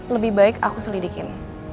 lebih baik aku selidikin